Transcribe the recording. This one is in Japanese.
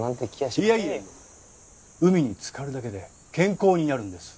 海につかるだけで健康になるんです。